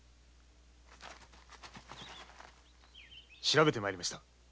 調べて参りました。